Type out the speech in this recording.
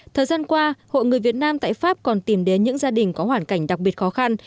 thời gian qua hội người việt nam tại pháp còn tìm đến những gia đình có hoàn cảnh đặc biệt khó khăn